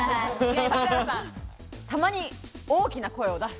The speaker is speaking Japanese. たまに大きな声を出す。